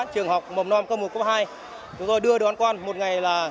trường học một mươi năm cơ một cấp hai chúng tôi đưa đoán quan một ngày là